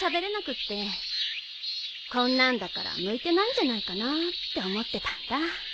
こんなんだから向いてないんじゃないかなって思ってたんだ。